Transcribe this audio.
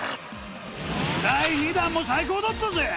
第２弾も最高だったぜ！